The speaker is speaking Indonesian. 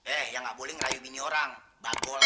eh yang nggak boleh ngerayu ini orang bakul